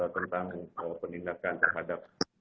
tentang penindakan terhadap